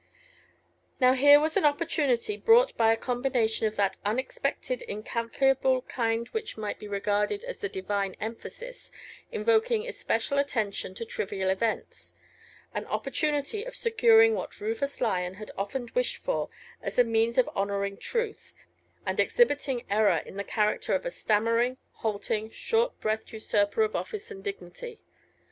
Now here was an opportunity brought by a combination of that unexpected incalculable kind which might be regarded as the Divine emphasis invoking especial attention to trivial events an opportunity of securing what Rufus Lyon had often wished for as a means of honoring truth, and exhibiting error in the character of a stammering, halting, short breathed usurper of office and dignity.